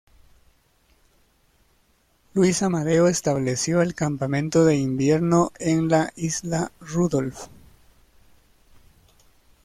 Luis Amadeo estableció el campamento de invierno en la isla Rudolf.